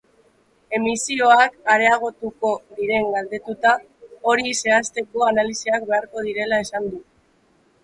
Emisioak areagotuko diren galdetuta, hori zehazteko analisiak beharko direla esan du.